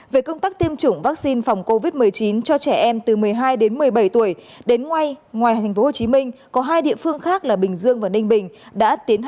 về công tác tiêm chủng vaccine phòng covid một mươi chín cho trẻ em từ một mươi hai đến một mươi bảy tuổi đến ngoài thành phố hồ chí minh có hai địa phương khác là bình dương và ninh bình đã tiến hành tiêm cho trẻ